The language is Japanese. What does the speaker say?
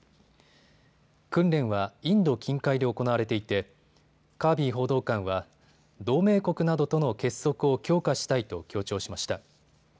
訓練はインド近海で行われていてカービー報道官は同盟国などとの結束を強化したいと強調しました。